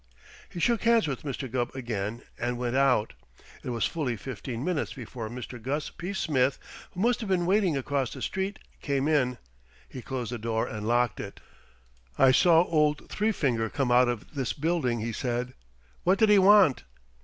He shook hands with Mr. Gubb again and went out. It was fully fifteen minutes before Mr. Gus P. Smith, who must have been waiting across the street, came in. He closed the door and locked it. "I saw old Three Finger come out of this building," he said. "What did he want?"